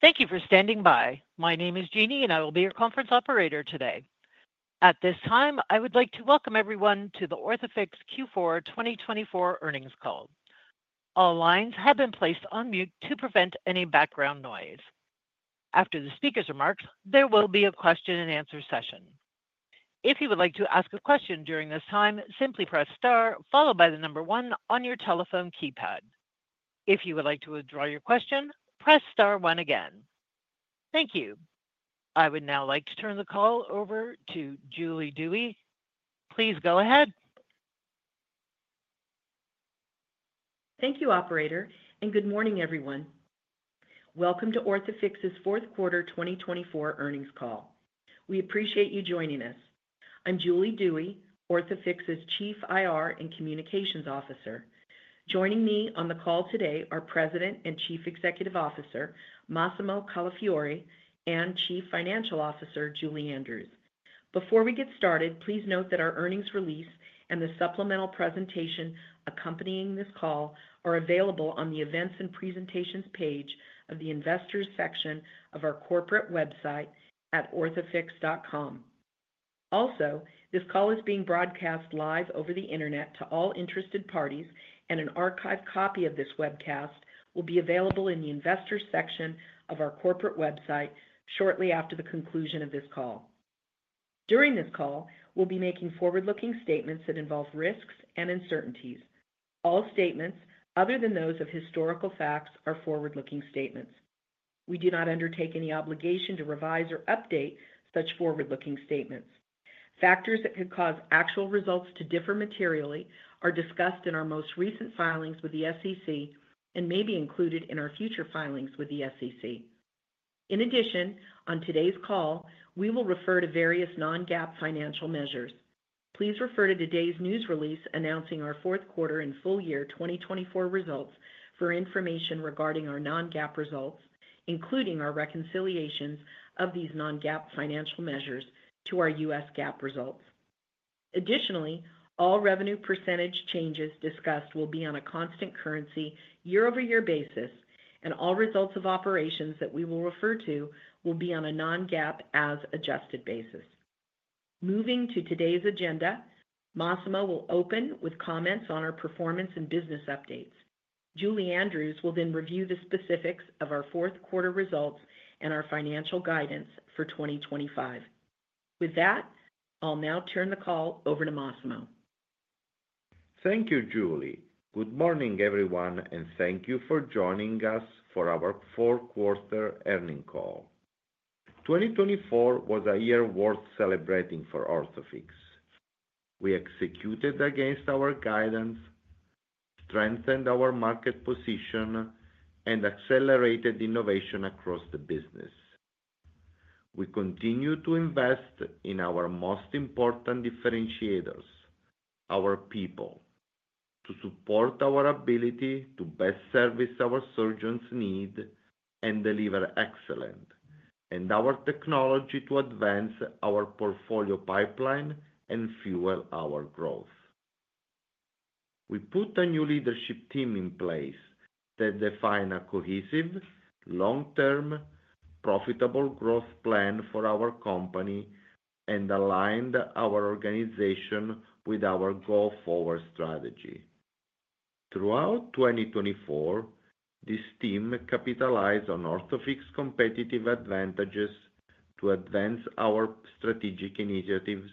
Thank you for standing by. My name is Jeannie, and I will be your conference operator today. At this time, I would like to welcome everyone to the Orthofix Q4 2024 earnings call. All lines have been placed on mute to prevent any background noise. After the speaker's remarks, there will be a question-and-answer session. If you would like to ask a question during this time, simply press Star, followed by the number one on your telephone keypad. If you would like to withdraw your question, press Star one again. Thank you. I would now like to turn the call over to Julie Dewey. Please go ahead. Thank you, Operator, and good morning, everyone. Welcome to Orthofix's fourth quarter 2024 earnings call. We appreciate you joining us. I'm Julie Dewey, Orthofix's Chief IR and Communications Officer. Joining me on the call today are President and Chief Executive Officer Massimo Calafiore and Chief Financial Officer Julie Andrews. Before we get started, please note that our earnings release and the supplemental presentation accompanying this call are available on the Events and Presentations page of the Investors section of our corporate website at orthofix.com. Also, this call is being broadcast live over the internet to all interested parties, and an archived copy of this webcast will be available in the Investors section of our corporate website shortly after the conclusion of this call. During this call, we'll be making forward-looking statements that involve risks and uncertainties. All statements other than those of historical facts are forward-looking statements. We do not undertake any obligation to revise or update such forward-looking statements. Factors that could cause actual results to differ materially are discussed in our most recent filings with the SEC and may be included in our future filings with the SEC. In addition, on today's call, we will refer to various non-GAAP financial measures. Please refer to today's news release announcing our fourth quarter and full year 2024 results for information regarding our non-GAAP results, including our reconciliations of these non-GAAP financial measures to our U.S. GAAP results. Additionally, all revenue percentage changes discussed will be on a constant currency year-over-year basis, and all results of operations that we will refer to will be on a non-GAAP as adjusted basis. Moving to today's agenda, Massimo will open with comments on our performance and business updates. Julie Andrews will then review the specifics of our fourth quarter results and our financial guidance for 2025. With that, I'll now turn the call over to Massimo. Thank you, Julie. Good morning, everyone, and thank you for joining us for our fourth quarter earnings call. 2024 was a year worth celebrating for Orthofix. We executed against our guidance, strengthened our market position, and accelerated innovation across the business. We continue to invest in our most important differentiators, our people, to support our ability to best service our surgeons' needs and deliver excellent, and our technology to advance our portfolio pipeline and fuel our growth. We put a new leadership team in place that defined a cohesive, long-term, profitable growth plan for our company and aligned our organization with our go-forward strategy. Throughout 2024, this team capitalized on Orthofix's competitive advantages to advance our strategic initiatives,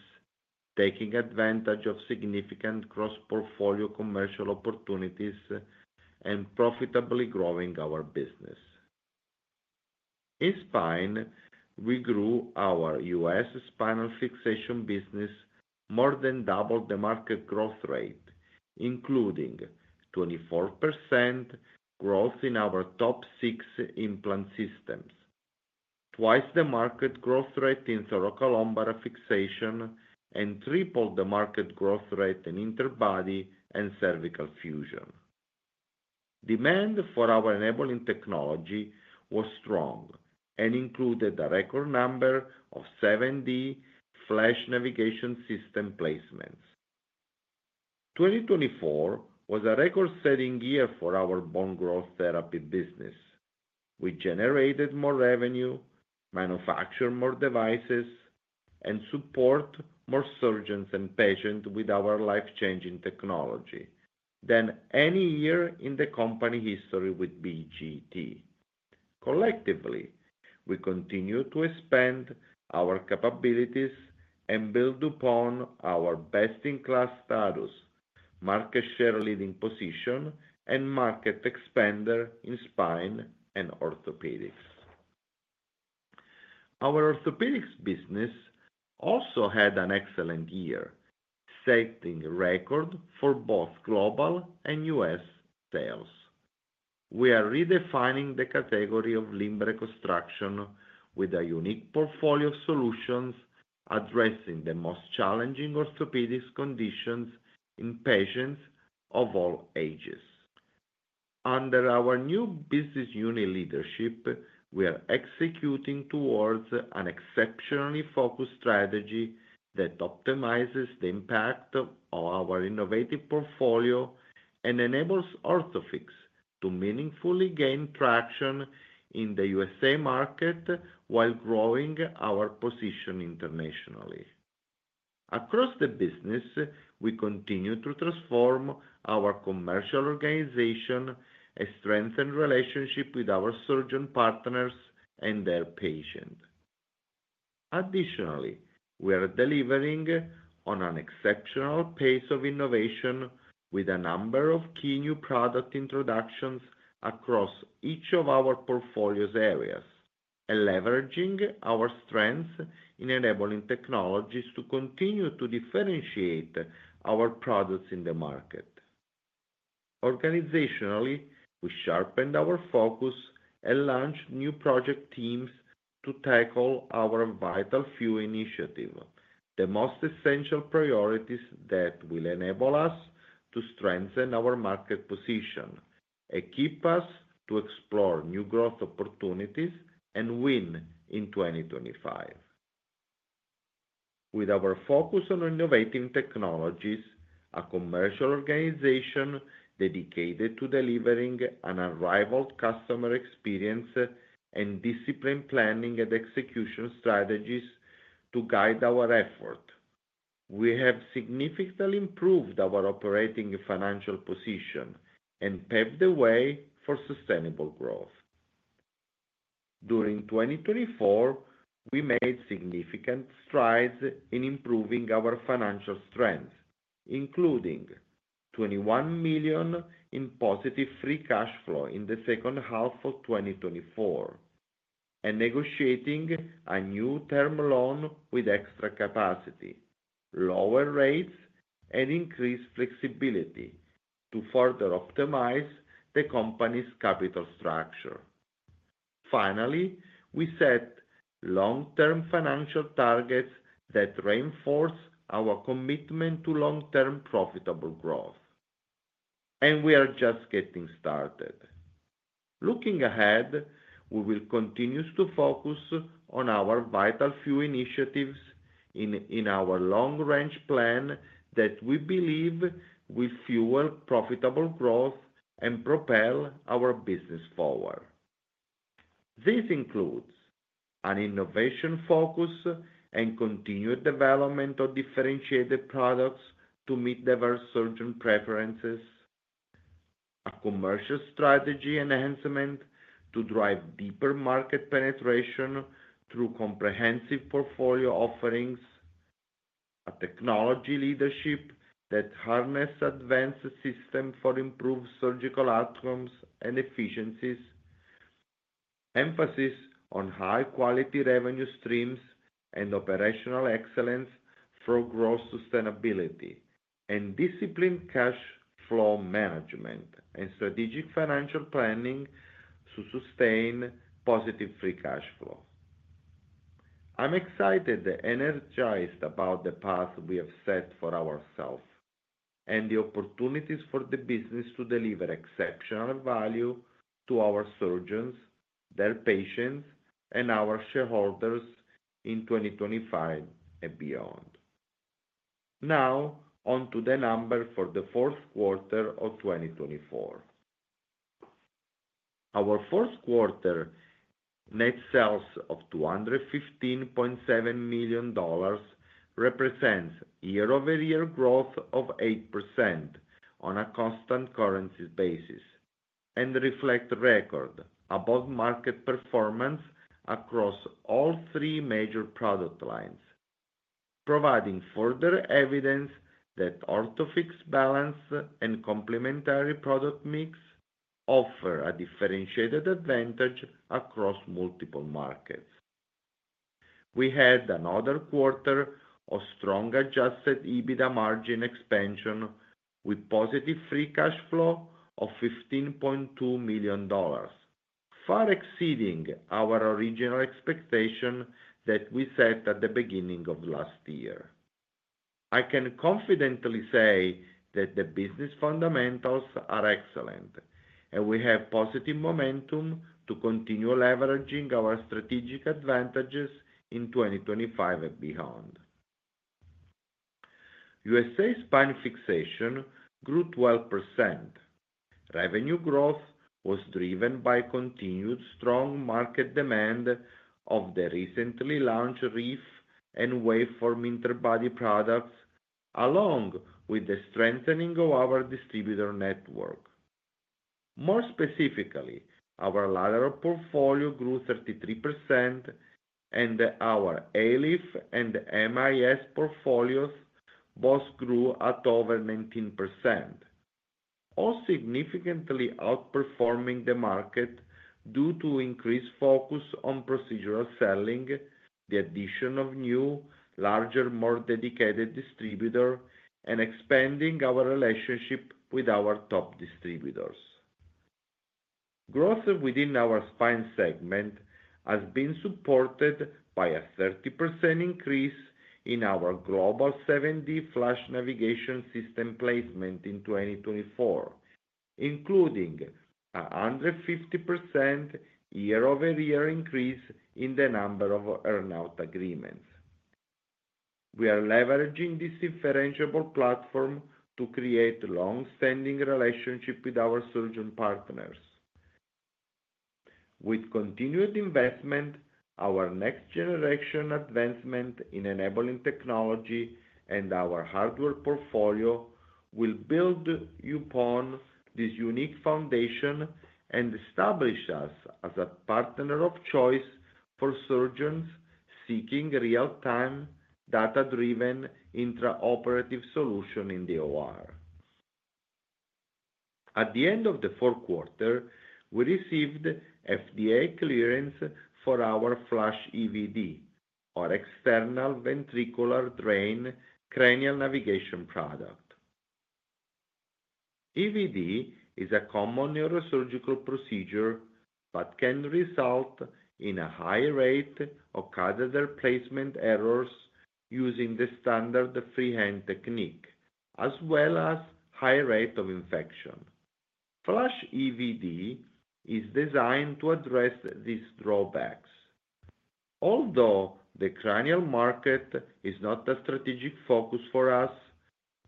taking advantage of significant cross-portfolio commercial opportunities and profitably growing our business. In Spine, we grew our U.S. Spinal fixation business more than double the market growth rate, including 24% growth in our top six implant systems, twice the market growth rate in thoracolumbar fixation, and triple the market growth rate in interbody and cervical fusion. Demand for our enabling technology was strong and included a record number of 7D FLASH Navigation System placements. 2024 was a record-setting year for our bone growth therapy business. We generated more revenue, manufactured more devices, and supported more surgeons and patients with our life-changing technology than any year in the company history with BGT. Collectively, we continue to expand our capabilities and build upon our best-in-class status, market share leading position, and market expander in Spine and Orthopedics. Our Orthopedics business also had an excellent year, setting a record for both global and U.S. sales. We are redefining the category of limb reconstruction with a unique portfolio of solutions addressing the most challenging orthopedic conditions in patients of all ages. Under our new business unit leadership, we are executing towards an exceptionally focused strategy that optimizes the impact of our innovative portfolio and enables Orthofix to meaningfully gain traction in the USA market while growing our position internationally. Across the business, we continue to transform our commercial organization and strengthen relationships with our surgeon partners and their patients. Additionally, we are delivering on an exceptional pace of innovation with a number of key new product introductions across each of our portfolio's areas and leveraging our strengths in enabling technologies to continue to differentiate our products in the market. Organizationally, we sharpened our focus and launched new project teams to tackle our vital few initiatives, the most essential priorities that will enable us to strengthen our market position and position us to explore new growth opportunities and win in 2025. With our focus on innovative technologies, a commercial organization dedicated to delivering an unrivaled customer experience and disciplined planning and execution strategies to guide our efforts, we have significantly improved our operating financial position and paved the way for sustainable growth. During 2024, we made significant strides in improving our financial strength, including $21 million in positive free cash flow in the second half of 2024, and negotiating a new term loan with extra capacity, lower rates, and increased flexibility to further optimize the company's capital structure. Finally, we set long-term financial targets that reinforce our commitment to long-term profitable growth, and we are just getting started. Looking ahead, we will continue to focus on our vital few initiatives in our long-range plan that we believe will fuel profitable growth and propel our business forward. This includes an innovation focus and continued development of differentiated products to meet diverse surgeon preferences, a commercial strategy enhancement to drive deeper market penetration through comprehensive portfolio offerings, a technology leadership that harnesses advanced systems for improved surgical outcomes and efficiencies, emphasis on high-quality revenue streams and operational excellence for growth sustainability, and disciplined cash flow management and strategic financial planning to sustain positive free cash flow. I'm excited and energized about the path we have set for ourselves and the opportunities for the business to deliver exceptional value to our surgeons, their patients, and our shareholders in 2025 and beyond. Now, on to the number for the fourth quarter of 2024. Our fourth quarter net sales of $215.7 million represents year-over-year growth of 8% on a constant currency basis and reflects a record above market performance across all three major product lines, providing further evidence that Orthofix's balance and complementary product mix offer a differentiated advantage across multiple markets. We had another quarter of strong adjusted EBITDA margin expansion with positive free cash flow of $15.2 million, far exceeding our original expectation that we set at the beginning of last year. I can confidently say that the business fundamentals are excellent, and we have positive momentum to continue leveraging our strategic advantages in 2025 and beyond. USA spine fixation grew 12%. Revenue growth was driven by continued strong market demand of the recently launched Reef and WaveForm interbody products, along with the strengthening of our distributor network. More specifically, our lateral portfolio grew 33%, and our ALIF and MIS portfolios both grew at over 19%, all significantly outperforming the market due to increased focus on procedural selling, the addition of new, larger, more dedicated distributors, and expanding our relationship with our top distributors. Growth within our spine segment has been supported by a 30% increase in our global 7D FLASH Navigation System placement in 2024, including a 150% year-over-year increase in the number of earn-out agreements. We are leveraging this differentiable platform to create a long-standing relationship with our surgeon partners. With continued investment, our next-generation advancement in enabling technology and our hardware portfolio will build upon this unique foundation and establish us as a partner of choice for surgeons seeking real-time, data-driven intraoperative solutions in the OR. At the end of the fourth quarter, we received FDA clearance for our FLASH EVD, or external ventricular drain cranial navigation product. EVD is a common neurosurgical procedure but can result in a high rate of catheter placement errors using the standard freehand technique, as well as a high rate of infection. FLASH EVD is designed to address these drawbacks. Although the cranial market is not a strategic focus for us,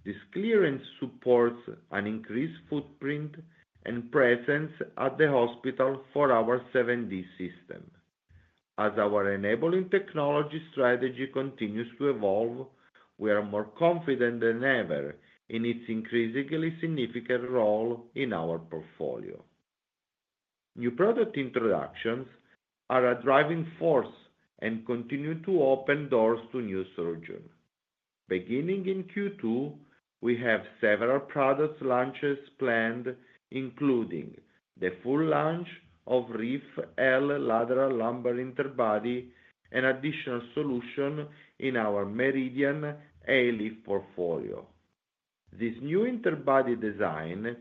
this clearance supports an increased footprint and presence at the hospital for our 7D system. As our enabling technology strategy continues to evolve, we are more confident than ever in its increasingly significant role in our portfolio. New product introductions are a driving force and continue to open doors to new surgeons. Beginning in Q2, we have several product launches planned, including the full launch of Reef L lateral lumbar interbody and additional solutions in our Meridian ALIF portfolio. This new interbody design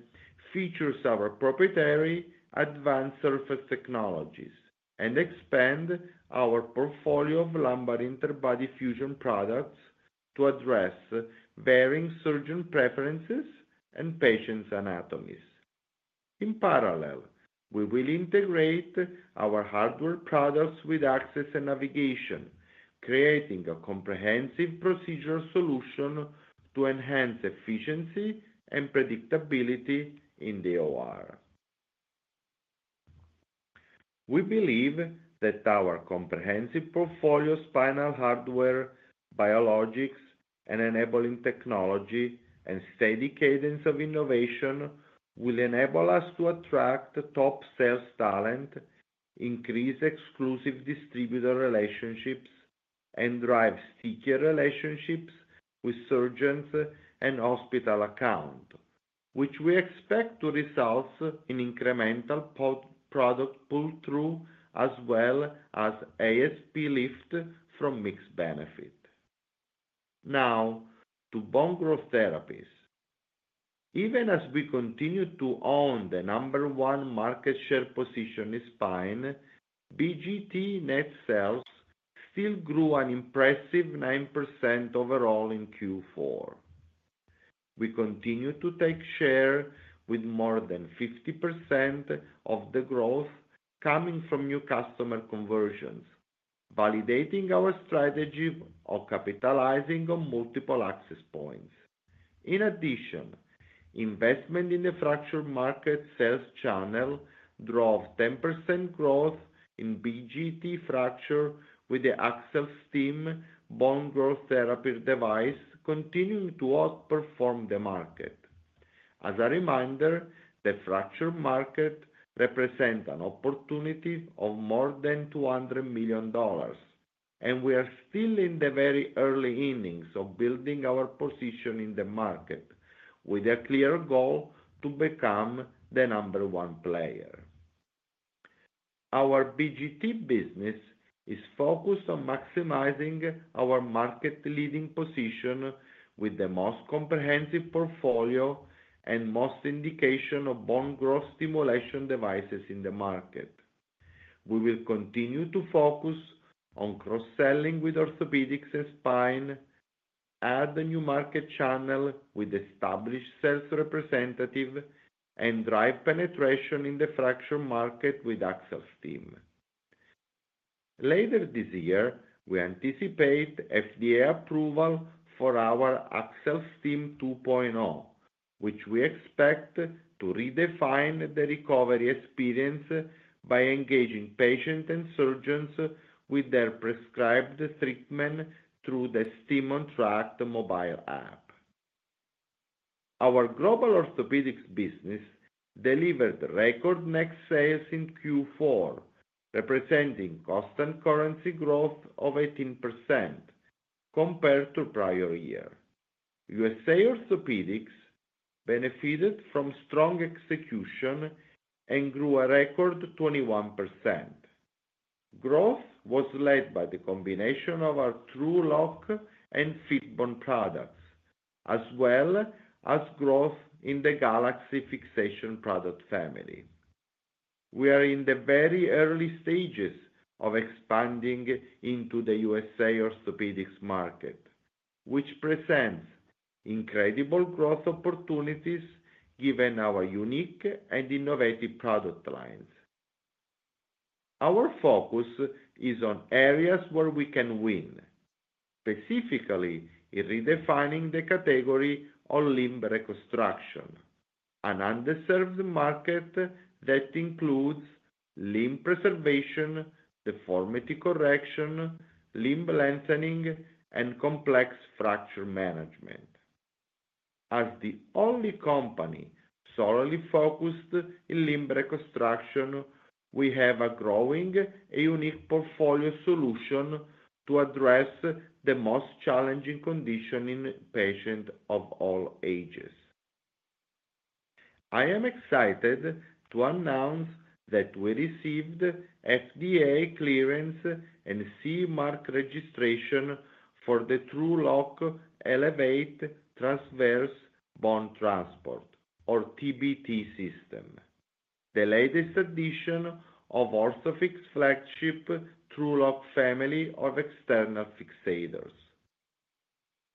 features our proprietary advanced surface technologies and expands our portfolio of lumbar interbody fusion products to address varying surgeon preferences and patients' anatomies. In parallel, we will integrate our hardware products with access and navigation, creating a comprehensive procedural solution to enhance efficiency and predictability in the OR. We believe that our comprehensive portfolio of spinal hardware, biologics, and enabling technology, and steady cadence of innovation, will enable us to attract top sales talent, increase exclusive distributor relationships, and drive stickier relationships with surgeons and hospital accounts, which we expect to result in incremental product pull-through as well as ASP lift from mixed benefit. Now, to bone growth therapies. Even as we continue to own the number one market share position in spine, BGT net sales still grew an impressive 9% overall in Q4. We continue to take share with more than 50% of the growth coming from new customer conversions, validating our strategy of capitalizing on multiple access points. In addition, investment in the fracture market sales channel drove 10% growth in BGT fracture with the AccelStim bone growth therapy device continuing to outperform the market. As a reminder, the fracture market represents an opportunity of more than $200 million, and we are still in the very early innings of building our position in the market with a clear goal to become the number one player. Our BGT business is focused on maximizing our market-leading position with the most comprehensive portfolio and most indications of bone growth stimulation devices in the market. We will continue to focus on cross-selling with orthopedics and spine, add a new market channel with established sales representatives, and drive penetration in the fracture market with AccelStim. Later this year, we anticipate FDA approval for our AccelStim 2.0, which we expect to redefine the recovery experience by engaging patients and surgeons with their prescribed treatment through the STIM onTrack mobile app. Our global orthopedics business delivered record net sales in Q4, representing constant currency growth of 18% compared to the prior year. USA orthopedics benefited from strong execution and grew a record 21%. Growth was led by the combination of our TrueLok and Fitbone products, as well as growth in the Galaxy Fixation product family. We are in the very early stages of expanding into the USA orthopedics market, which presents incredible growth opportunities given our unique and innovative product lines. Our focus is on areas where we can win, specifically in redefining the category of limb reconstruction, an underserved market that includes limb preservation, deformity correction, limb lengthening, and complex fracture management. As the only company solely focused in limb reconstruction, we have a growing and unique portfolio solution to address the most challenging conditions in patients of all ages. I am excited to announce that we received FDA clearance and CE Mark registration for the TrueLok Elevate transverse bone transport, or TBT system, the latest addition of Orthofix flagship TrueLok family of external fixators.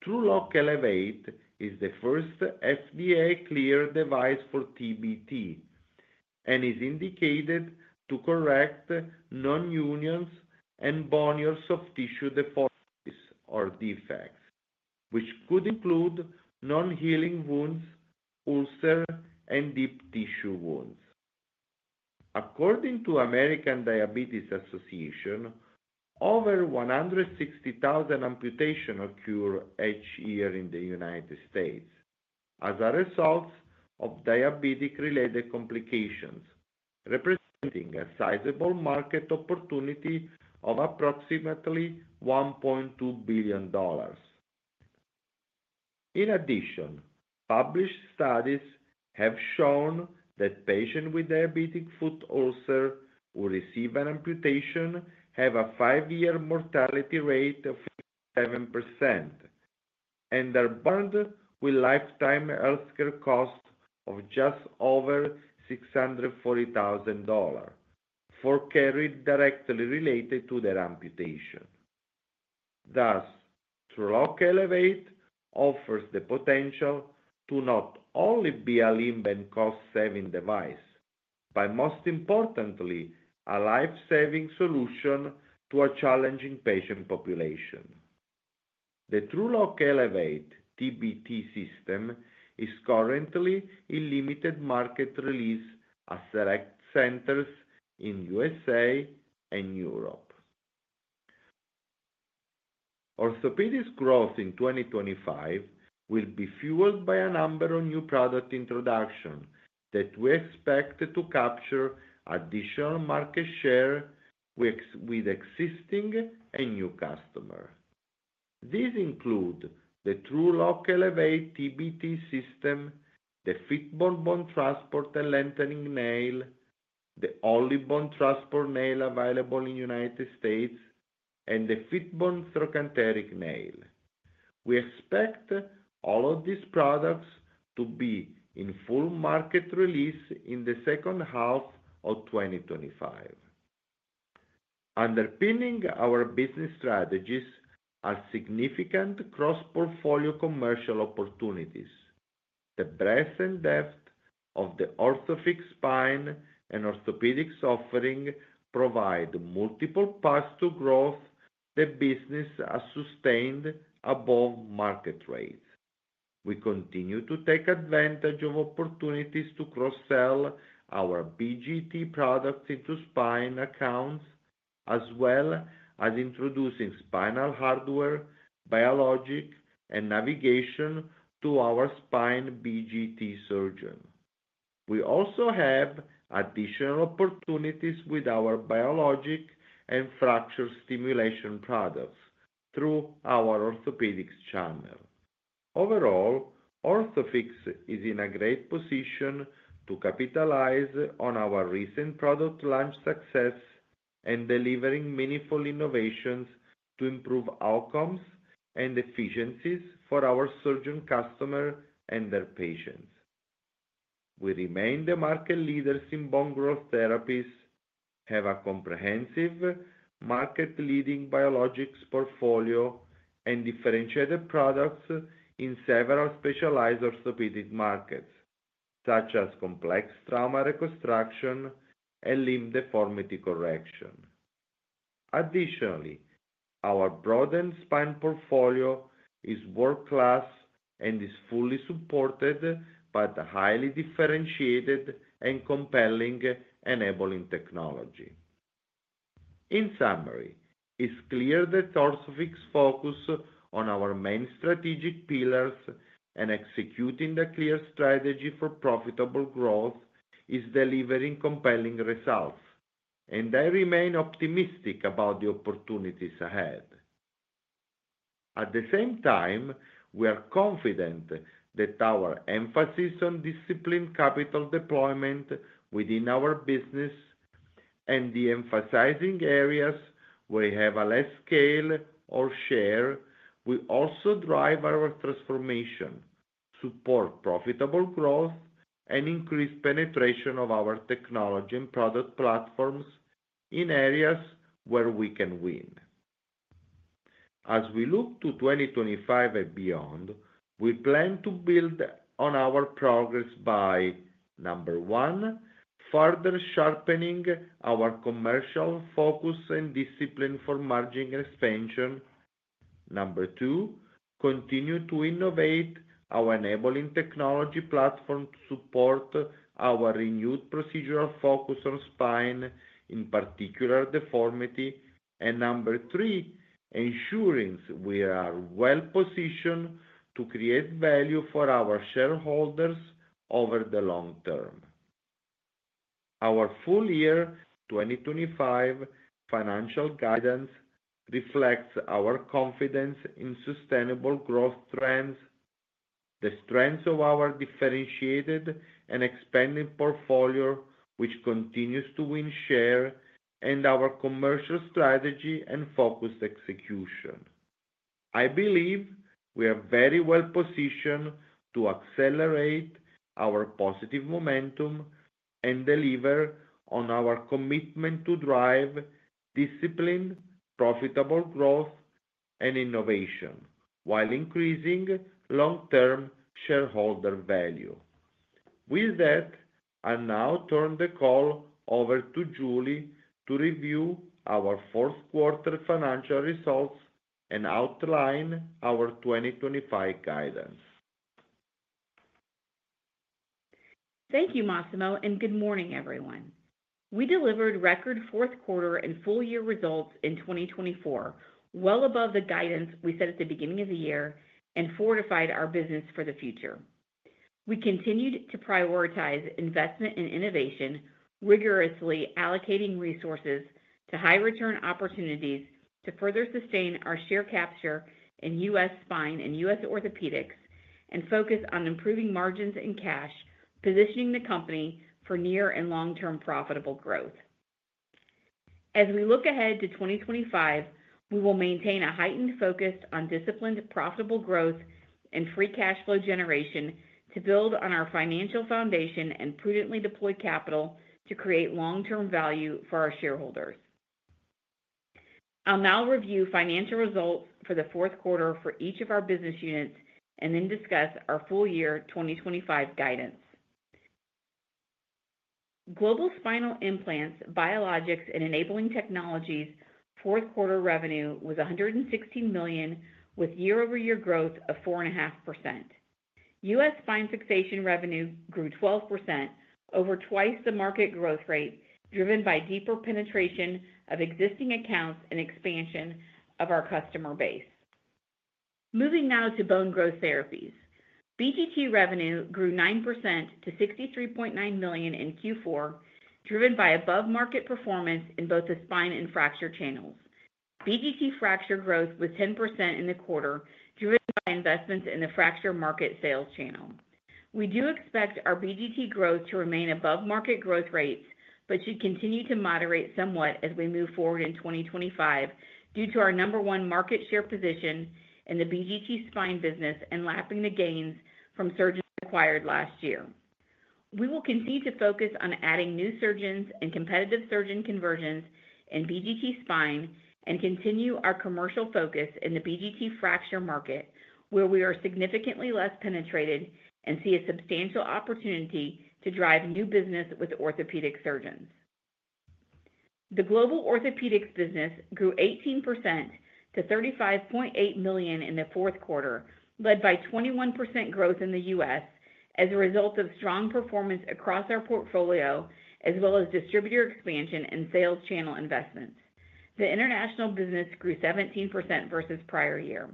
TrueLok Elevate is the first FDA-cleared device for TBT and is indicated to correct non-unions and bony or soft tissue deformities or defects, which could include non-healing wounds, ulcers, and deep tissue wounds. According to the American Diabetes Association, over 160,000 amputations occurred each year in the United States as a result of diabetic-related complications, representing a sizable market opportunity of approximately $1.2 billion. In addition, published studies have shown that patients with diabetic foot ulcers who receive an amputation have a five-year mortality rate of 57% and are burdened with lifetime healthcare costs of just over $640,000 for care directly related to their amputation. Thus, TrueLok Elevate offers the potential to not only be a limb and cost-saving device, but most importantly, a life-saving solution to a challenging patient population. The TrueLok Elevate, TBT system is currently in limited market release at select centers in the USA and Europe. Orthopedics growth in 2025 will be fueled by a number of new product introductions that we expect to capture additional market share with existing and new customers. These include the TrueLok Elevate, TBT system, the Fitbone bone transport and lengthening nail, the only bone transport nail available in the United States, and the Fitbone trochanteric nail. We expect all of these products to be in full market release in the second half of 2025. Underpinning our business strategies are significant cross-portfolio commercial opportunities. The breadth and depth of the Orthofix spine and orthopedics offering provide multiple paths to growth that business has sustained above market rates. We continue to take advantage of opportunities to cross-sell our BGT products into spine accounts, as well as introducing spinal hardware, biologics, and navigation to our spine BGT surgeons. We also have additional opportunities with our biologics and fracture stimulation products through our orthopedics channel. Overall, Orthofix is in a great position to capitalize on our recent product launch success and delivering meaningful innovations to improve outcomes and efficiencies for our surgeon customers and their patients. We remain the market leaders in bone growth therapies, have a comprehensive market-leading biologics portfolio, and differentiated products in several specialized orthopedic markets, such as complex trauma reconstruction and limb deformity correction. Additionally, our broadened spine portfolio is world-class and is fully supported by the highly differentiated and compelling enabling technology. In summary, it's clear that Orthofix's focus on our main strategic pillars and executing the clear strategy for profitable growth is delivering compelling results, and I remain optimistic about the opportunities ahead. At the same time, we are confident that our emphasis on disciplined capital deployment within our business and the emphasizing areas where we have a less scale or share will also drive our transformation, support profitable growth, and increase penetration of our technology and product platforms in areas where we can win. As we look to 2025 and beyond, we plan to build on our progress by number one, further sharpening our commercial focus and discipline for margin expansion. Number two, continue to innovate our enabling technology platform to support our renewed procedural focus on spine, in particular deformity. And number three, ensuring we are well-positioned to create value for our shareholders over the long term. Our full year 2025 financial guidance reflects our confidence in sustainable growth trends, the strength of our differentiated and expanding portfolio, which continues to win share, and our commercial strategy and focused execution. I believe we are very well-positioned to accelerate our positive momentum and deliver on our commitment to drive disciplined, profitable growth and innovation while increasing long-term shareholder value. With that, I now turn the call over to Julie to review our fourth quarter financial results and outline our 2025 guidance. Thank you, Massimo, and good morning, everyone. We delivered record fourth quarter and full year results in 2024, well above the guidance we set at the beginning of the year and fortified our business for the future. We continued to prioritize investment and innovation, rigorously allocating resources to high-return opportunities to further sustain our share capture in U.S. spine and U.S. orthopedics and focus on improving margins and cash, positioning the company for near and long-term profitable growth. As we look ahead to 2025, we will maintain a heightened focus on disciplined, profitable growth and free cash flow generation to build on our financial foundation and prudently deploy capital to create long-term value for our shareholders. I'll now review financial results for the fourth quarter for each of our business units and then discuss our full year 2025 guidance. Global Spinal Implants, Biologics, and Enabling Technologies' fourth quarter revenue was $116 million, with year-over-year growth of 4.5%. U.S. spine fixation revenue grew 12%, over twice the market growth rate driven by deeper penetration of existing accounts and expansion of our customer base. Moving now to bone growth therapies. BGT revenue grew 9% to $63.9 million in Q4, driven by above-market performance in both the spine and fracture channels. BGT fracture growth was 10% in the quarter, driven by investments in the fracture market sales channel. We do expect our BGT growth to remain above market growth rates but should continue to moderate somewhat as we move forward in 2025 due to our number one market share position in the BGT spine business and lapping the gains from surgeons acquired last year. We will continue to focus on adding new surgeons and competitive surgeon conversions in BGT spine and continue our commercial focus in the BGT fracture market, where we are significantly less penetrated and see a substantial opportunity to drive new business with orthopedic surgeons. The global orthopedics business grew 18% to $35.8 million in the fourth quarter, led by 21% growth in the U.S. as a result of strong performance across our portfolio, as well as distributor expansion and sales channel investments. The international business grew 17% versus prior year.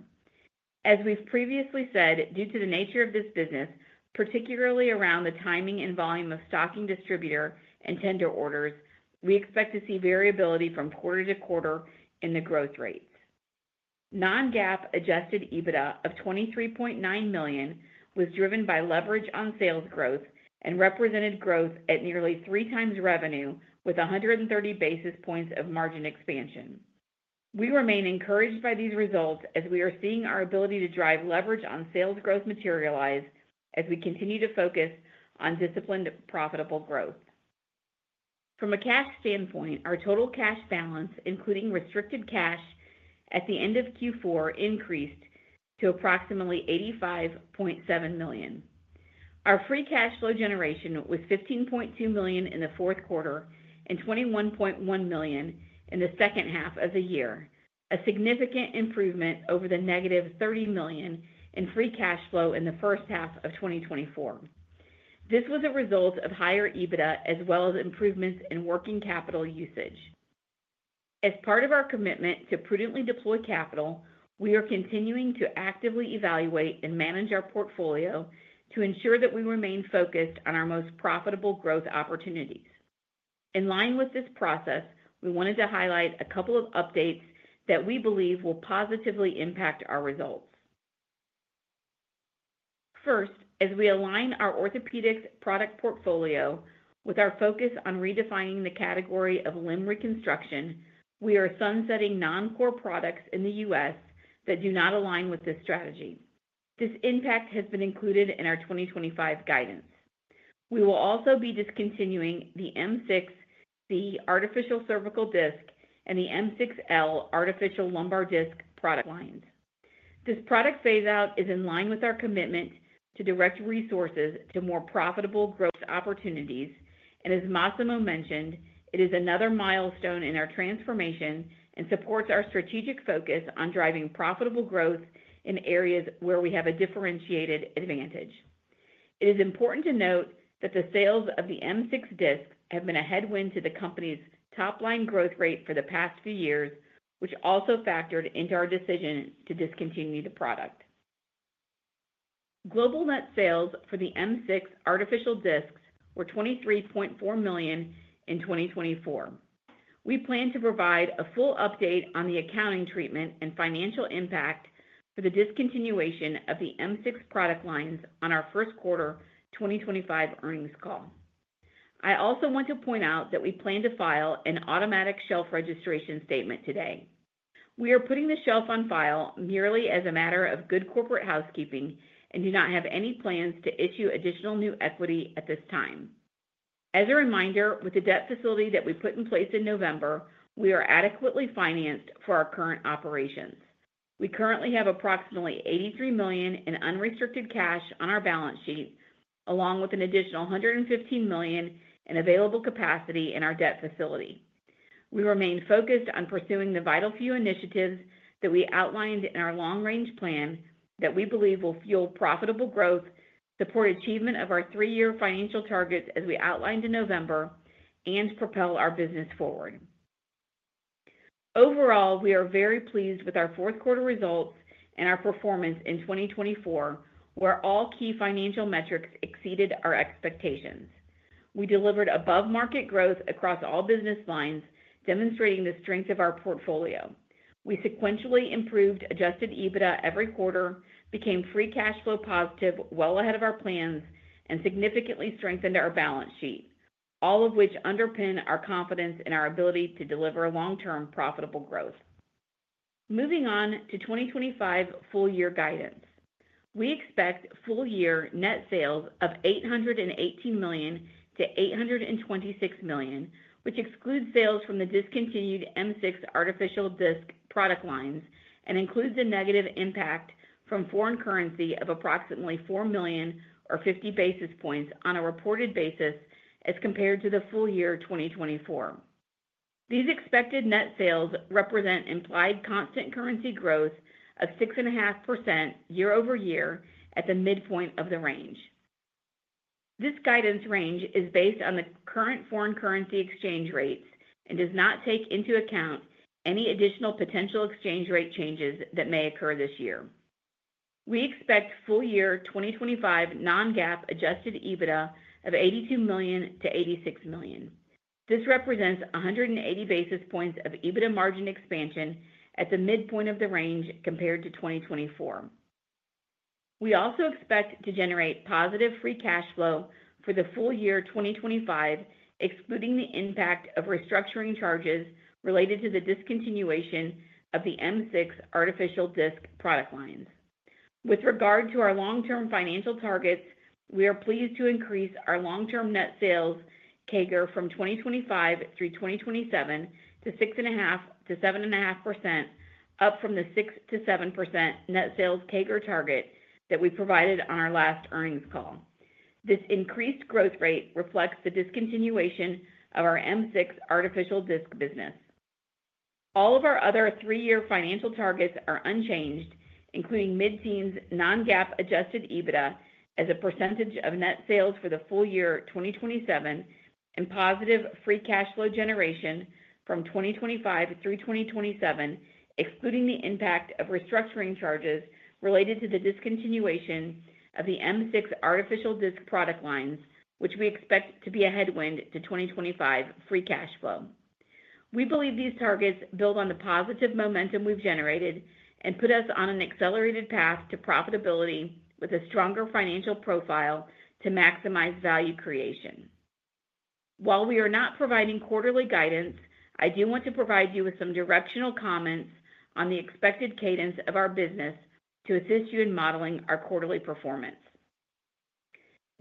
As we've previously said, due to the nature of this business, particularly around the timing and volume of stocking distributor and tender orders, we expect to see variability from quarter to quarter in the growth rates. Non-GAAP adjusted EBITDA of $23.9 million was driven by leverage on sales growth and represented growth at nearly three times revenue with 130 basis points of margin expansion. We remain encouraged by these results as we are seeing our ability to drive leverage on sales growth materialize as we continue to focus on disciplined, profitable growth. From a cash standpoint, our total cash balance, including restricted cash at the end of Q4, increased to approximately $85.7 million. Our free cash flow generation was $15.2 million in the fourth quarter and $21.1 million in the second half of the year, a significant improvement over the negative $30 million in free cash flow in the first half of 2024. This was a result of higher EBITDA as well as improvements in working capital usage. As part of our commitment to prudently deploy capital, we are continuing to actively evaluate and manage our portfolio to ensure that we remain focused on our most profitable growth opportunities. In line with this process, we wanted to highlight a couple of updates that we believe will positively impact our results. First, as we align our orthopedics product portfolio with our focus on redefining the category of limb reconstruction, we are sunsetting non-core products in the U.S. that do not align with this strategy. This impact has been included in our 2025 guidance. We will also be discontinuing the M6-C artificial cervical disc and the M6-L artificial lumbar disc product lines. This product phase-out is in line with our commitment to direct resources to more profitable growth opportunities, and as Massimo mentioned, it is another milestone in our transformation and supports our strategic focus on driving profitable growth in areas where we have a differentiated advantage. It is important to note that the sales of the M6 disc have been a headwind to the company's top-line growth rate for the past few years, which also factored into our decision to discontinue the product. Global net sales for the M6 artificial discs were $23.4 million in 2024. We plan to provide a full update on the accounting treatment and financial impact for the discontinuation of the M6 product lines on our first quarter 2025 earnings call. I also want to point out that we plan to file an automatic Shelf Registration Statement today. We are putting the shelf on file merely as a matter of good corporate housekeeping and do not have any plans to issue additional new equity at this time. As a reminder, with the debt facility that we put in place in November, we are adequately financed for our current operations. We currently have approximately $83 million in unrestricted cash on our balance sheet, along with an additional $115 million in available capacity in our debt facility. We remain focused on pursuing the vital few initiatives that we outlined in our long-range plan that we believe will fuel profitable growth, support achievement of our three-year financial targets as we outlined in November, and propel our business forward. Overall, we are very pleased with our fourth quarter results and our performance in 2024, where all key financial metrics exceeded our expectations. We delivered above-market growth across all business lines, demonstrating the strength of our portfolio. We sequentially improved Adjusted EBITDA every quarter, became free cash flow positive well ahead of our plans, and significantly strengthened our balance sheet, all of which underpin our confidence in our ability to deliver long-term profitable growth. Moving on to 2025 full year guidance, we expect full year net sales of $818 million-$826 million, which excludes sales from the discontinued M6 artificial disc product lines and includes a negative impact from foreign currency of approximately $4 million or 50 basis points on a reported basis as compared to the full year 2024. These expected net sales represent implied Constant Currency growth of 6.5% year-over-year at the midpoint of the range. This guidance range is based on the current foreign currency exchange rates and does not take into account any additional potential exchange rate changes that may occur this year. We expect full year 2025 non-GAAP adjusted EBITDA of $82 million-$86 million. This represents 180 basis points of EBITDA margin expansion at the midpoint of the range compared to 2024. We also expect to generate positive free cash flow for the full year 2025, excluding the impact of restructuring charges related to the discontinuation of the M6 artificial disc product lines. With regard to our long-term financial targets, we are pleased to increase our long-term net sales CAGR from 2025 through 2027 to 6.5%-7.5%, up from the 6%-7% net sales CAGR target that we provided on our last earnings call. This increased growth rate reflects the discontinuation of our M6 artificial disc business. All of our other three-year financial targets are unchanged, including mid-teens non-GAAP Adjusted EBITDA as a percentage of net sales for the full year 2027 and positive free cash flow generation from 2025 through 2027, excluding the impact of restructuring charges related to the discontinuation of the M6 artificial disc product lines, which we expect to be a headwind to 2025 free cash flow. We believe these targets build on the positive momentum we've generated and put us on an accelerated path to profitability with a stronger financial profile to maximize value creation. While we are not providing quarterly guidance, I do want to provide you with some directional comments on the expected cadence of our business to assist you in modeling our quarterly performance.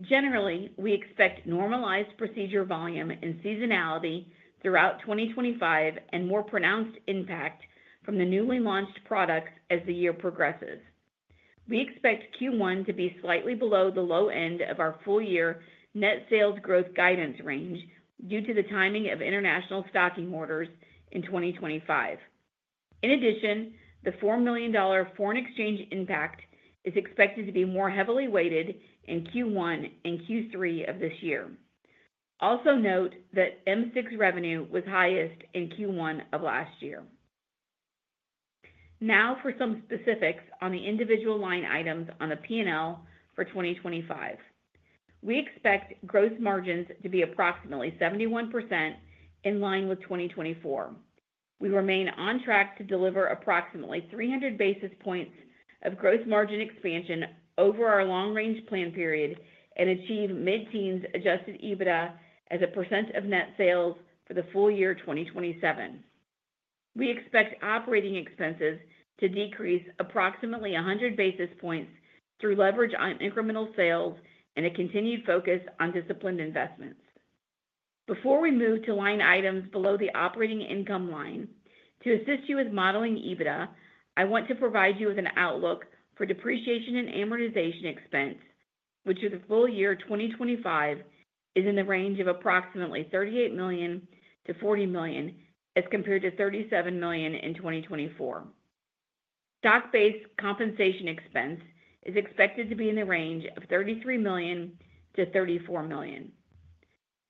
Generally, we expect normalized procedure volume and seasonality throughout 2025 and more pronounced impact from the newly launched products as the year progresses. We expect Q1 to be slightly below the low end of our full year net sales growth guidance range due to the timing of international stocking orders in 2025. In addition, the $4 million foreign exchange impact is expected to be more heavily weighted in Q1 and Q3 of this year. Also note that M6 revenue was highest in Q1 of last year. Now for some specifics on the individual line items on the P&L for 2025. We expect gross margins to be approximately 71% in line with 2024. We remain on track to deliver approximately 300 basis points of gross margin expansion over our long-range plan period and achieve mid-teens Adjusted EBITDA as a percent of net sales for the full year 2027. We expect operating expenses to decrease approximately 100 basis points through leverage on incremental sales and a continued focus on disciplined investments. Before we move to line items below the operating income line, to assist you with modeling EBITDA, I want to provide you with an outlook for depreciation and amortization expense, which for the full year 2025 is in the range of approximately $38 million-$40 million as compared to $37 million in 2024. Stock-based compensation expense is expected to be in the range of $33 million-$34 million.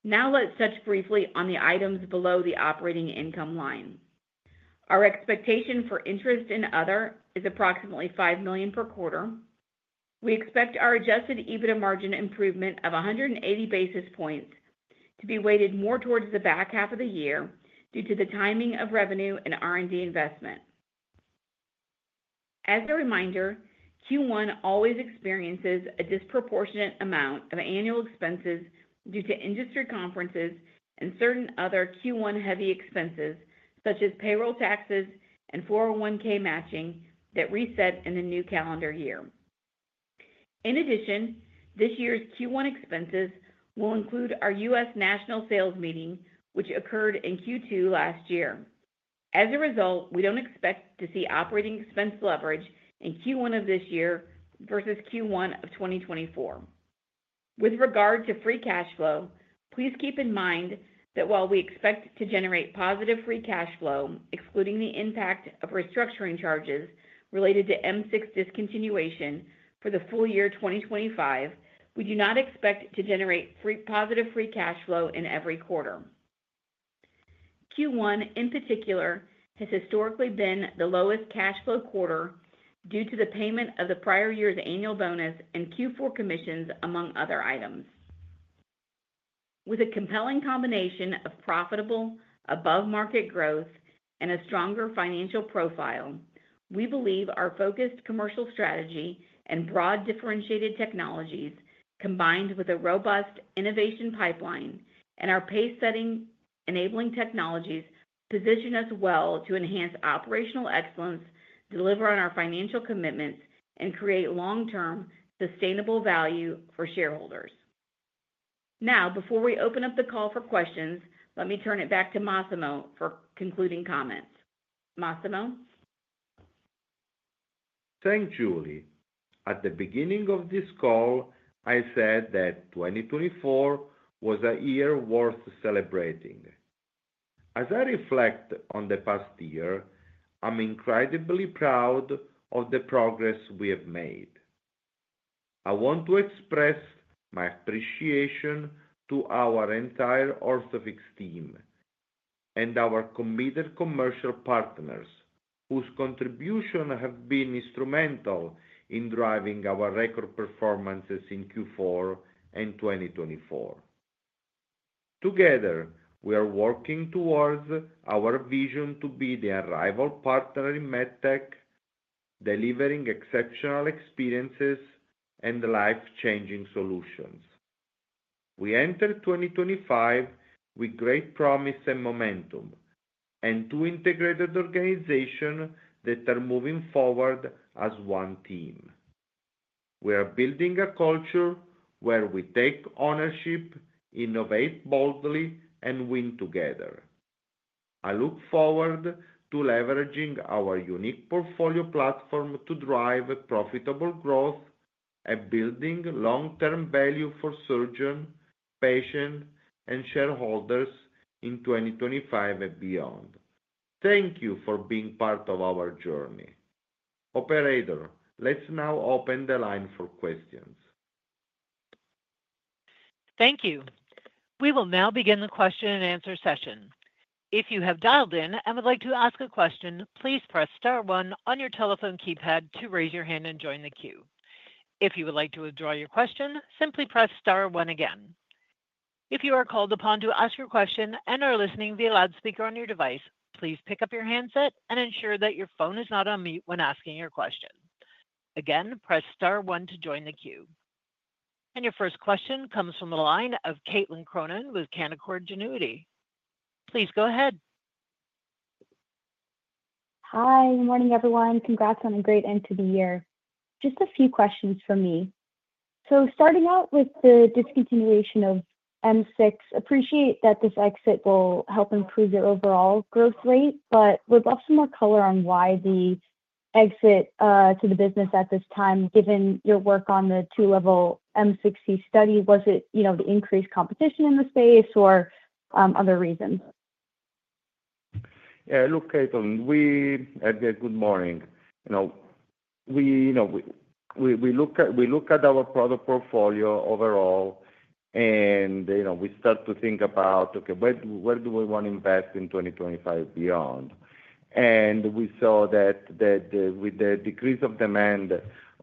Now let's touch briefly on the items below the operating income line. Our expectation for interest in other is approximately $5 million per quarter. We expect our adjusted EBITDA margin improvement of 180 basis points to be weighted more towards the back half of the year due to the timing of revenue and R&D investment. As a reminder, Q1 always experiences a disproportionate amount of annual expenses due to industry conferences and certain other Q1 heavy expenses, such as payroll taxes and 401(k) matching that reset in the new calendar year. In addition, this year's Q1 expenses will include our U.S. national sales meeting, which occurred in Q2 last year. As a result, we don't expect to see operating expense leverage in Q1 of this year versus Q1 of 2024. With regard to free cash flow, please keep in mind that while we expect to generate positive free cash flow, excluding the impact of restructuring charges related to M6 discontinuation for the full year 2025, we do not expect to generate positive free cash flow in every quarter. Q1, in particular, has historically been the lowest cash flow quarter due to the payment of the prior year's annual bonus and Q4 commissions, among other items. With a compelling combination of profitable above-market growth and a stronger financial profile, we believe our focused commercial strategy and broad differentiated technologies, combined with a robust innovation pipeline and our pace-setting enabling technologies, position us well to enhance operational excellence, deliver on our financial commitments, and create long-term sustainable value for shareholders. Now, before we open up the call for questions, let me turn it back to Massimo for concluding comments. Massimo? Thanks, Julie. At the beginning of this call, I said that 2024 was a year worth celebrating. As I reflect on the past year, I'm incredibly proud of the progress we have made. I want to express my appreciation to our entire Orthofix team and our committed commercial partners, whose contribution has been instrumental in driving our record performances in Q4 and 2024. Together, we are working towards our vision to be the unrivaled partner in medtech, delivering exceptional experiences and life-changing solutions. We enter 2025 with great promise and momentum and two integrated organizations that are moving forward as one team. We are building a culture where we take ownership, innovate boldly, and win together. I look forward to leveraging our unique portfolio platform to drive profitable growth and building long-term value for surgeons, patients, and shareholders in 2025 and beyond. Thank you for being part of our journey. Operator, let's now open the line for questions. Thank you. We will now begin the question-and-answer session. If you have dialed in and would like to ask a question, please press Star one on your telephone keypad to raise your hand and join the queue. If you would like to withdraw your question, simply press Star one again. If you are called upon to ask your question and are listening via loudspeaker on your device, please pick up your handset and ensure that your phone is not on mute when asking your question. Again, press Star one to join the queue. Your first question comes from the line of Caitlin Cronin with Canaccord Genuity. Please go ahead. Hi, good morning, everyone. Congrats on a great end to the year. Just a few questions for me. So starting out with the discontinuation of M6, I appreciate that this exit will help improve your overall growth rate, but would love some more color on why the exit to the business at this time, given your work on the two-level M6 study. Was it, you know, the increased competition in the space or other reasons? Yeah, look, Caitlin, we, again, good morning. You know, we look at our product portfolio overall, and, you know, we start to think about, okay, where do we want to invest in 2025 beyond? And we saw that with the decrease of demand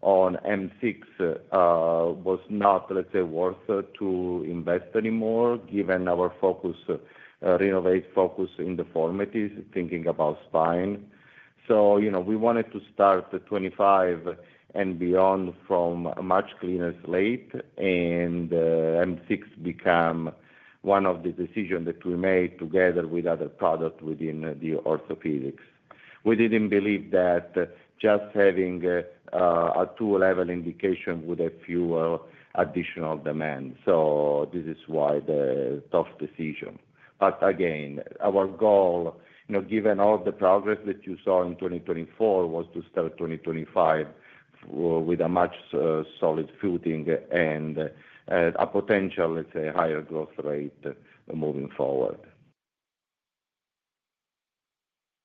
on M6, it was not, let's say, worth to invest anymore, given our focus, our focus in the orthopedics, thinking about spine. So, you know, we wanted to start 2025 and beyond from much cleaner slate and M6 become one of the decisions that we made together with other products within the Orthofix. We didn't believe that just having a two-level indication would have fewer additional demand. So this is why the tough decision. But again, our goal, you know, given all the progress that you saw in 2024, was to start 2025 with a much solid footing and a potential, let's say, higher growth rate moving forward.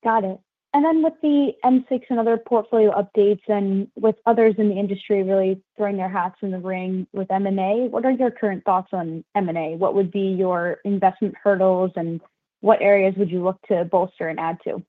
Got it. And then with the M6 and other portfolio updates and with others in the industry really throwing their hats in the ring with M&A, what are your current thoughts on M&A? What would be your investment hurdles and what areas would you look to bolster and add to?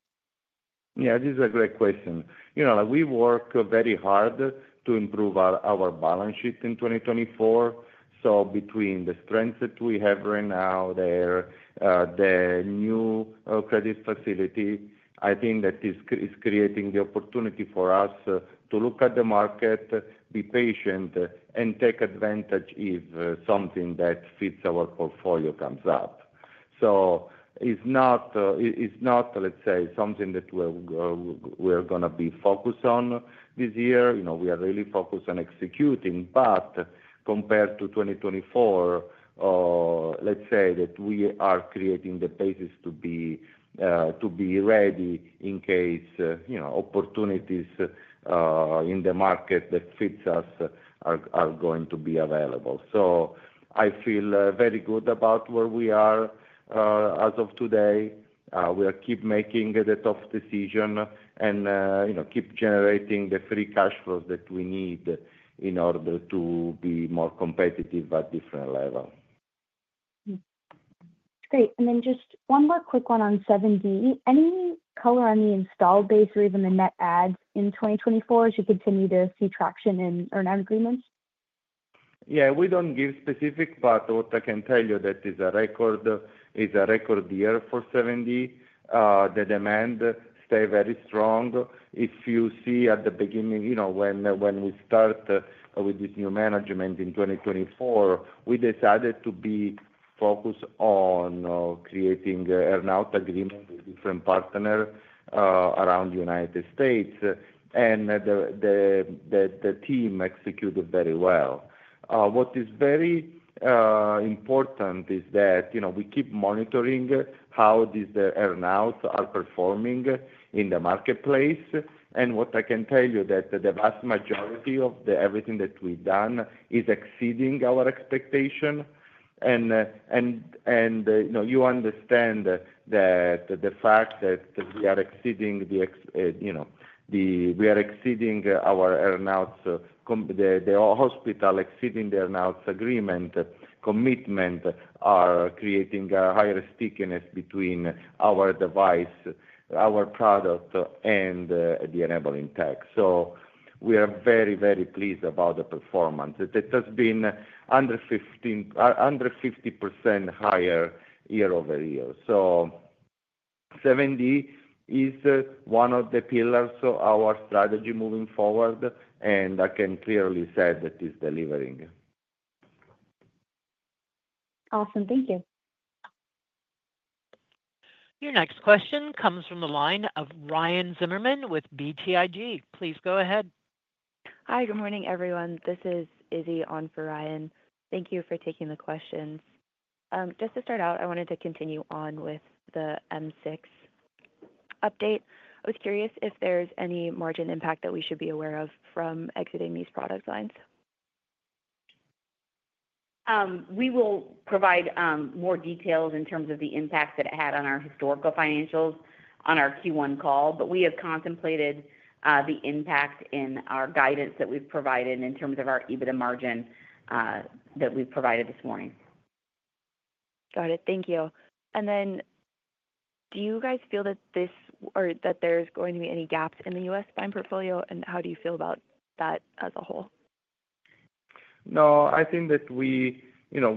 Yeah, this is a great question. You know, we work very hard to improve our balance sheet in 2024. So between the strengths that we have right now, the new credit facility, I think that is creating the opportunity for us to look at the market, be patient, and take advantage if something that fits our portfolio comes up. So it's not, let's say, something that we're going to be focused on this year. You know, we are really focused on executing, but compared to 2024, let's say that we are creating the basis to be ready in case, you know, opportunities in the market that fits us are going to be available. So I feel very good about where we are as of today. We'll keep making the tough decision and, you know, keep generating the free cash flows that we need in order to be more competitive at different levels. Great. And then just one more quick one on 7D. Any color on the install base or even the net adds in 2024 as you continue to see traction in earn-out agreements? Yeah, we don't give specific, but what I can tell you that is a record year for 7D. The demand stayed very strong. If you see at the beginning, you know, when we start with this new management in 2024, we decided to be focused on creating earn-out agreements with different partners around the United States, and the team executed very well. What is very important is that, you know, we keep monitoring how these earn-outs are performing in the marketplace. And what I can tell you is that the vast majority of everything that we've done is exceeding our expectation. And, you know, you understand that the fact that we are exceeding the, you know, we are exceeding our earn-outs, the hospital exceeding the earn-outs agreement commitment are creating a higher stickiness between our device, our product, and the enabling tech. So we are very, very pleased about the performance. That has been under 15% higher year-over-year. So 7D is one of the pillars of our strategy moving forward, and I can clearly say that it's delivering. Awesome. Thank you. Your next question comes from the line of Ryan Zimmerman with BTIG. Please go ahead. Hi, good morning, everyone. This is Izzy on for Ryan. Thank you for taking the questions. Just to start out, I wanted to continue on with the M6 update. I was curious if there's any margin impact that we should be aware of from exiting these product lines. We will provide more details in terms of the impact that it had on our historical financials on our Q1 call, but we have contemplated the impact in our guidance that we've provided in terms of our EBITDA margin that we've provided this morning. Got it. Thank you. And then do you guys feel that this or that there's going to be any gaps in the U.S. spine portfolio, and how do you feel about that as a whole? No, I think that we, you know,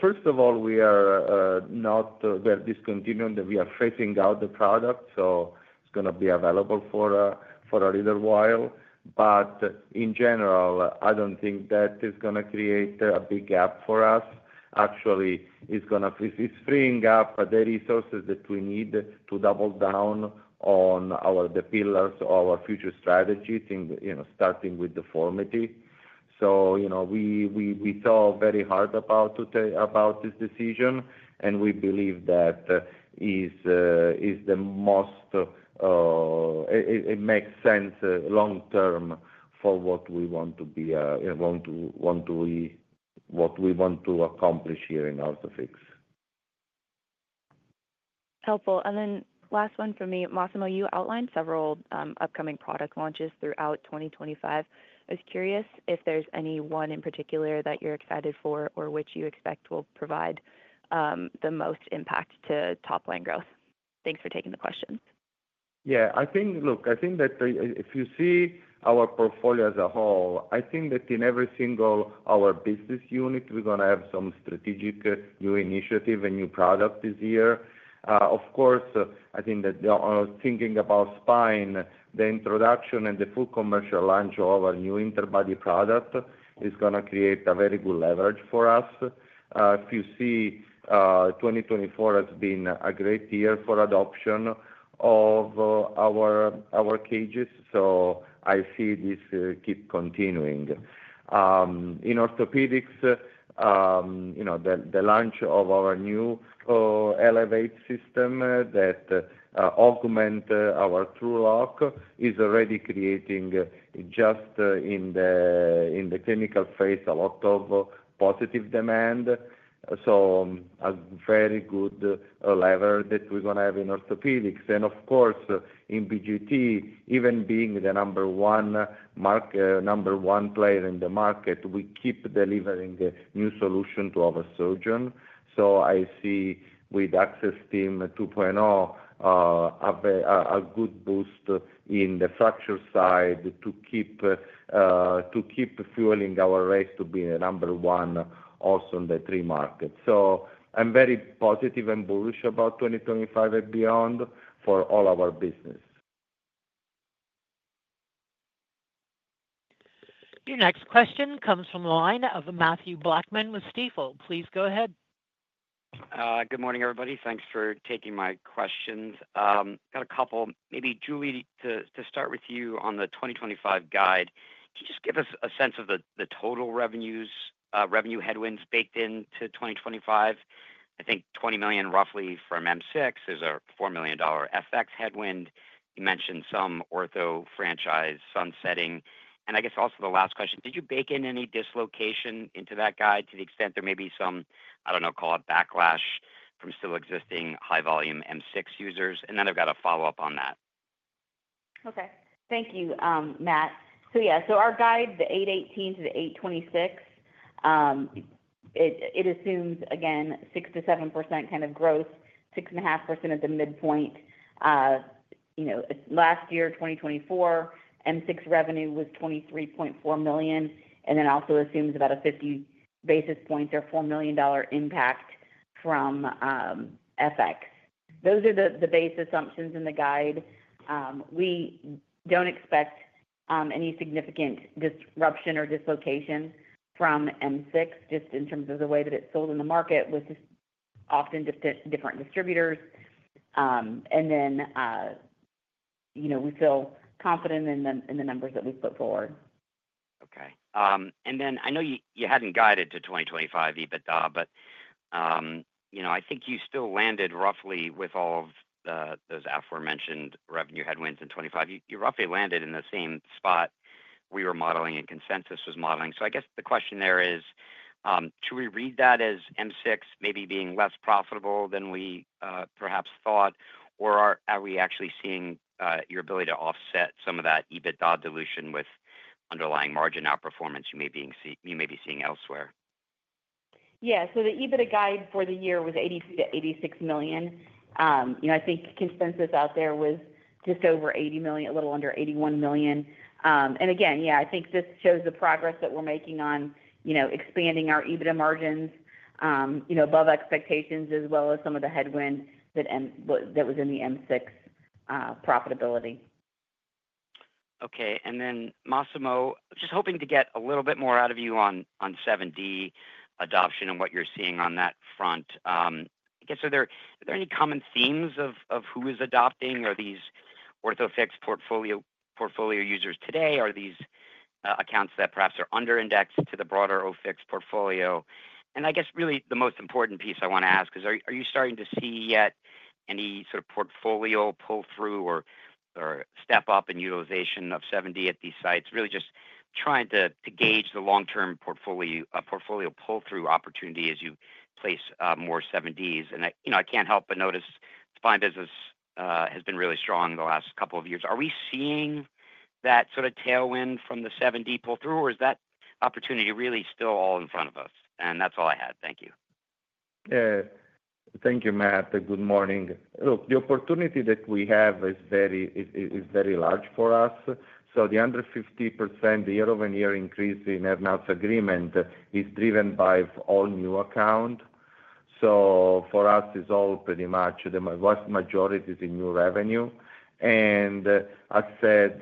first of all, we are not. We are discontinuing that we are phasing out the product, so it's going to be available for a little while. But in general, I don't think that is going to create a big gap for us. Actually, it's going to. It's freeing up the resources that we need to double down on our pillars, our future strategies, starting with the Meridian. So, you know, we thought very hard about this decision, and we believe that is the most. It makes sense long-term for what we want to be, what we want to accomplish here in Orthofix. Helpful. And then, last one for me, Massimo. You outlined several upcoming product launches throughout 2025. I was curious if there's any one in particular that you're excited for or which you expect will provide the most impact to top-line growth. Thanks for taking the question. Yeah, I think, look, I think that if you see our portfolio as a whole, I think that in every single our business unit, we're going to have some strategic new initiative and new product this year. Of course, I think that thinking about spine, the introduction and the full commercial launch of our new interbody product is going to create a very good leverage for us. If you see, 2024 has been a great year for adoption of our cages, so I see this keep continuing. In Orthopedics, you know, the launch of our new Elevate system that augments our TrueLok is already creating, just in the clinical phase, a lot of positive demand. So a very good lever that we're going to have in Orthopedics. And of course, in BGT, even being the number one market, number one player in the market, we keep delivering new solutions to our surgeons. So I see with AccelStim 2.0 a good boost in the fracture side to keep fueling our race to be the number one also in the three markets. So I'm very positive and bullish about 2025 and beyond for all our business. Your next question comes from the line of Matthew Blackman with Stifel. Please go ahead. Good morning, everybody. Thanks for taking my questions. Got a couple. Maybe, Julie, to start with you on the 2025 guide, can you just give us a sense of the total revenues, revenue headwinds baked into 2025? I think $20 million roughly from M6. There's a $4 million FX headwind. You mentioned some Ortho franchise sunsetting. And I guess also the last question, did you bake in any dislocation into that guide to the extent there may be some, I don't know, call it backlash from still existing high-volume M6 users? And then I've got a follow-up on that. Okay. Thank you, Matt. So yeah, so our guide, the $818 million-$826 million, it assumes, again, 6%-7% kind of growth, 6.5% at the midpoint. You know, last year, 2024, M6 revenue was $23.4 million, and then also assumes about a 50 basis points or $4 million impact from FX. Those are the base assumptions in the guide. We don't expect any significant disruption or dislocation from M6, just in terms of the way that it's sold in the market with often different distributors. And then, you know, we feel confident in the numbers that we've put forward. Okay. And then I know you hadn't guided to 2025, but you know, I think you still landed roughly with all of those aforementioned revenue headwinds in 25. You roughly landed in the same spot we were modeling and consensus was modeling. So I guess the question there is, should we read that as M6 maybe being less profitable than we perhaps thought, or are we actually seeing your ability to offset some of that EBITDA dilution with underlying margin outperformance you may be seeing elsewhere? Yeah. So the EBITDA guide for the year was $82 million-$86 million. You know, I think consensus out there was just over $80 million, a little under $81 million, and again, yeah, I think this shows the progress that we're making on, you know, expanding our EBITDA margins, you know, above expectations, as well as some of the headwind that was in the M6 profitability. Okay, and then, Massimo, just hoping to get a little bit more out of you on 7D adoption and what you're seeing on that front. I guess, are there any common themes of who is adopting? Are these Orthofix portfolio users today? Are these accounts that perhaps are under-indexed to the broader Orthofix portfolio? And I guess really the most important piece I want to ask is, are you starting to see yet any sort of portfolio pull-through or step-up in utilization of 7D at these sites? Really just trying to gauge the long-term portfolio pull-through opportunity as you place more 7Ds. You know, I can't help but notice spine business has been really strong the last couple of years. Are we seeing that sort of tailwind from the 7D pull-through, or is that opportunity really still all in front of us? That's all I had. Thank you. Yeah. Thank you, Matt. Good morning. Look, the opportunity that we have is very large for us. So the 150% year-over-year increase in earn-out agreements is driven by all new accounts. So for us, it's all pretty much the vast majority is in new revenue. And I said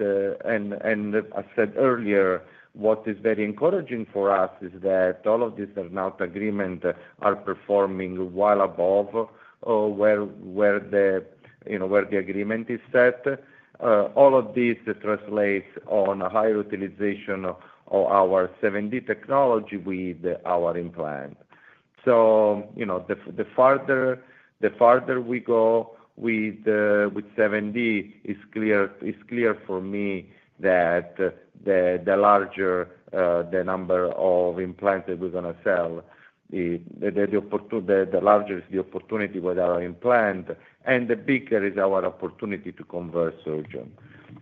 earlier, what is very encouraging for us is that all of these earn-out agreements are performing well above where the, you know, where the agreement is set. All of this translates on a higher utilization of our 7D technology with our implant. So, you know, the farther we go with 7D, it's clear for me that the larger the number of implants that we're going to sell, the larger is the opportunity with our implant, and the bigger is our opportunity to convert surgeons.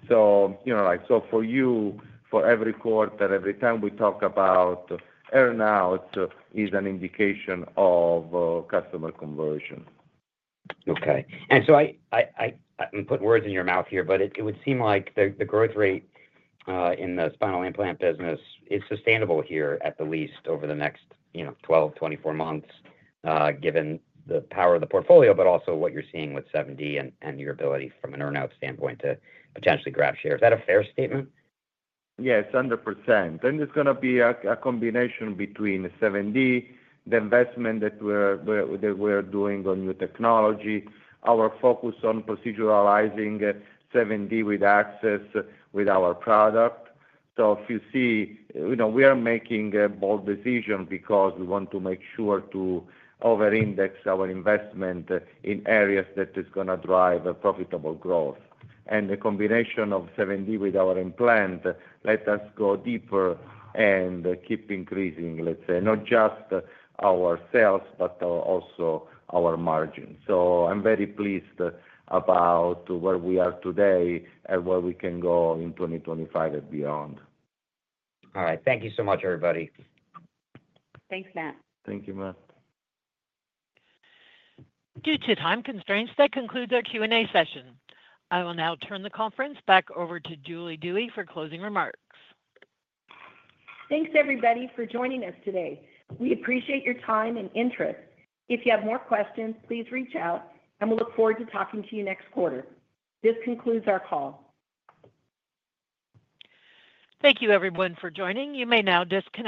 So, you know, like so for you, for every quarter, every time we talk about earn-outs is an indication of customer conversion. Okay. And so I put words in your mouth here, but it would seem like the growth rate in the spinal implant business is sustainable here at the least over the next, you know, 12-24 months, given the power of the portfolio, but also what you're seeing with 7D and your ability from an earn-out standpoint to potentially grab share. Is that a fair statement? Yes, 100%. And it's going to be a combination between 7D, the investment that we're doing on new technology, our focus on proceduralizing 7D with access with our product. So if you see, you know, we are making a bold decision because we want to make sure to over-index our investment in areas that are going to drive profitable growth. And the combination of 7D with our implant let us go deeper and keep increasing, let's say, not just our sales, but also our margins. So I'm very pleased about where we are today and where we can go in 2025 and beyond. All right. Thank you so much, everybody. Thanks, Matt. Thank you, Matt. Due to time constraints, that concludes our Q&A session. I will now turn the conference back over to Julie Dewey for closing remarks. Thanks, everybody, for joining us today. We appreciate your time and interest. If you have more questions, please reach out, and we'll look forward to talking to you next quarter. This concludes our call. Thank you, everyone, for joining. You may now disconnect.